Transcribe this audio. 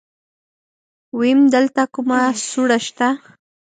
ويم دلته کومه سوړه شته.